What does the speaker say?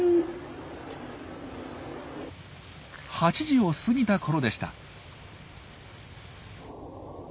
８時を過ぎたころでした。